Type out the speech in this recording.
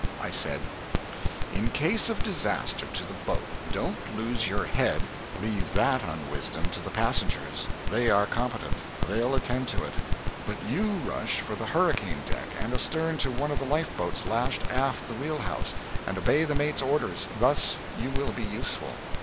I said, "In case of disaster to the boat, don't lose your head leave that unwisdom to the passengers they are competent they'll attend to it. But you rush for the hurricane deck, and astern to one of the life boats lashed aft the wheel house, and obey the mate's orders thus you will be useful.